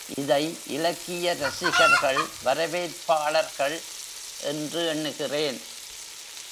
இதை இலக்கிய ரசிகர்கள் வரவேற்பாளர்கள் என்று எண்ணுகிறேன்.